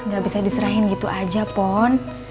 gak bisa diserahin gitu aja pon